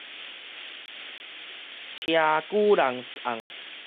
翻東翻西